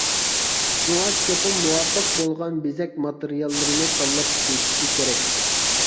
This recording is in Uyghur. شۇڭا چوقۇم مۇۋاپىق بولغان بېزەك ماتېرىياللىرىنى تاللاپ ئىشلىتىشى كېرەك.